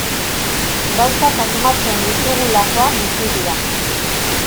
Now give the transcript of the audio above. Gauzak asmatzen ditugulakoan bizi dira.